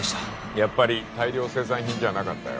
やっぱり大量生産品じゃなかったよ